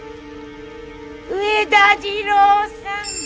上田次郎さん。